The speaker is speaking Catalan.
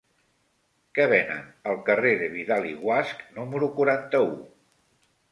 Què venen al carrer de Vidal i Guasch número quaranta-u?